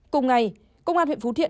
cùng ngày công an huyện phú thiện